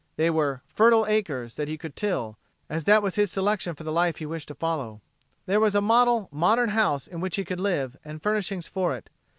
There were fertile acres that he could till, as that was his selection of the life he wished to follow. There was a model, modern house in which he could live, and furnishings for it.